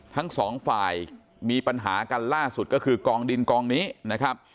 ทั้งสองฝ่ายมีปัญหากันล่าสุดก็คือกองดินกองนี้นะครับ